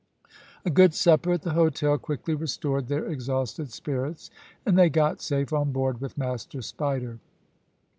A good supper at the hotel quickly restored their exhausted spirits, and they got safe on board with Master Spider.